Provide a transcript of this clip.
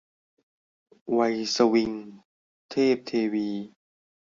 วัยสวิง - เทพเทวี